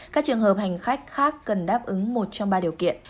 các trường hợp hành khách khác cần đáp ứng một trong ba điều kiện